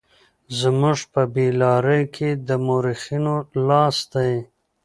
زموږ په بې لارۍ کې د مورخينو لاس دی.